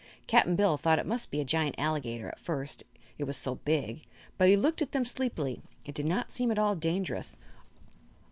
Cap'n Bill thought it must be a giant alligator, at first, it was so big; but he looked at them sleepily and did not seem at all dangerous.